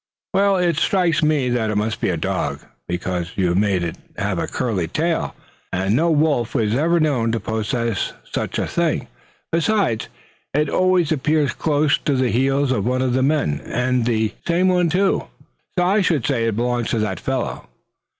"Well, it strikes me that it must be a dog, because you've made it have a curly tail; and no wolf was ever known to possess such a thing. Besides, it always appears close to the heels of one of the men, and the same one too; so I should say it belongs to that fellow."